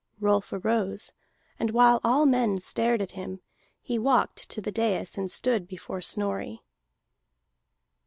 Rolf arose, and while all men stared at him, he walked to the dais and stood before Snorri.